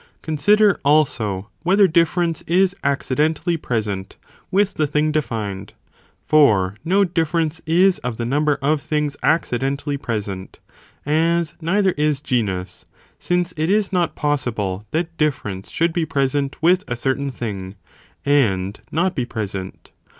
δ Or has the Consider, also, whether difference is accident notion of ally present with the thing defined, for no differ accidents, ence is of the number of things accidentally pre sent, as neither is genus, since it is not possible that difference should be present with a certain thing, and not be present.